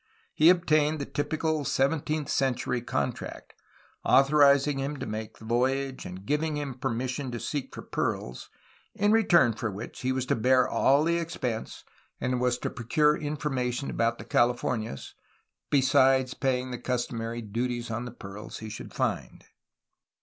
He obtained the typical seventeenth century contract, authoriz ing him to make the voyage and giving him permission to seek for pearls, in return for which he was to bear all the ex pense, and was to procure information about the Californias, besides paying the customary duties on the pearls he should find.